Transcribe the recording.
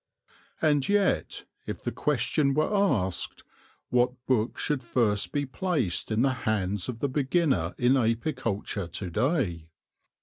* And yet, if the question were asked, What book should first be placed in the hands of the be ginner in apiculture to day